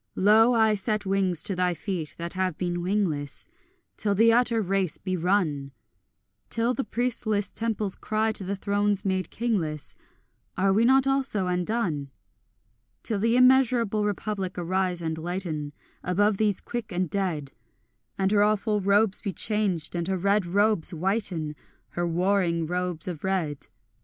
Lo, I set wings to thy feet that have been wingless, Till the utter race be run; Till the priestless temples cry to the thrones made kingless, Are we not also undone? Till the immeasurable Republic arise and lighten Above these quick and dead, And her awful robes be changed, and her red robes whiten, Her warring robes of red.